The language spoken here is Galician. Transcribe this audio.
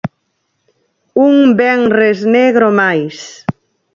Un venres negro máis.